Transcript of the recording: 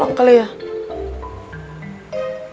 main ke atas draw